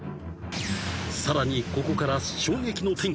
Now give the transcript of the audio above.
［さらにここから］